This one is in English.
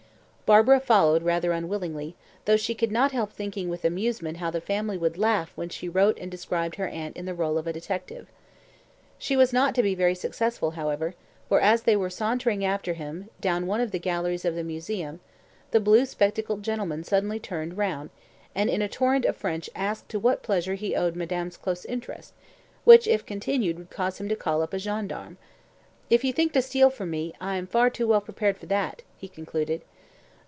Barbara followed rather unwillingly, though she could not help thinking with amusement how the family would laugh when she wrote and described her aunt in the role of a detective. She was not to be very successful, however, for, as they were sauntering after him down one of the galleries of the Museum, the blue spectacled gentleman suddenly turned round, and in a torrent of French asked to what pleasure he owed Madame's close interest, which, if continued, would cause him to call up a gendarme. "If you think to steal from me, I am far too well prepared for that," he concluded.